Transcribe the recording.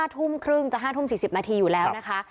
ทุ่มครึ่งจะ๕ทุ่ม๔๐นาทีอยู่แล้วนะคะ